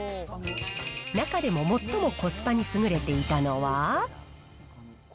中でも最もコスパに優れていたのは。